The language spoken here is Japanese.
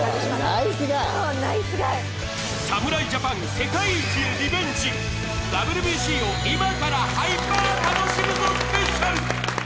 侍ジャパン世界一リベンジ、ＷＢＣを今からハイパー楽しむぞスペシャル！